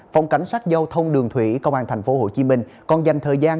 phòng cảnh sát giao thông đường thủy công an tp hcm còn dành thời gian